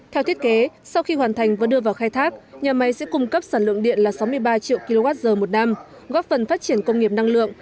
theo thiết kế sau khi hoàn thành và đưa vào khai thác nhà máy sẽ cung cấp sản lượng điện là sáu mươi ba triệu kwh một năm góp phần phát triển công nghiệp năng lượng